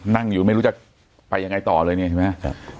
นั่งอยู่ไม่รู้จะไปยังไงต่อเลยเนี่ยใช่ไหม